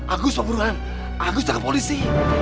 agus pak buruhan agus jaga polisi